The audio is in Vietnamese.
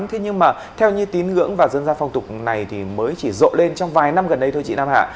thế nhưng mà theo như tín ngưỡng và dân gia phong tục này thì mới chỉ rộ lên trong vài năm gần đây thôi chị nam hạ